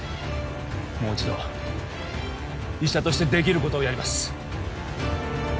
もう一度医者としてできることをやります